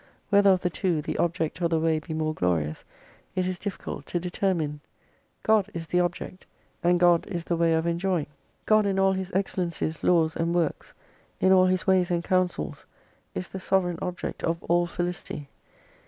Whetlier of the two, the object or the way be more glorious, it is difficult to determine. God is the object, and God is the way of enjoying. God in all His excel lencies, laws, and works, in all His ways and counsels is the sovereign object of all Felicity.